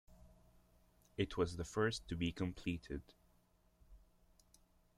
It was the first to be completed.